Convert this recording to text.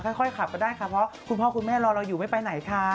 ค่อยขับก็ได้ค่ะเพราะคุณพ่อคุณแม่รอเราอยู่ไม่ไปไหนค่ะ